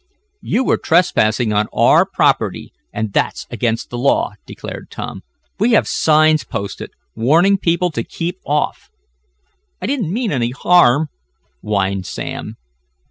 "You were trespassing on our property, and that's against the law," declared Tom. "We have signs posted, warning people to keep off." "I didn't mean any harm," whined Sam.